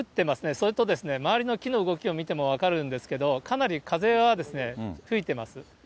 それとですね、周りの木の動きを見ても分かるんですけども、かなり風は吹いてます。